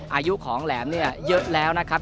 อายุของแหลมเนี่ยเยอะแล้วนะครับ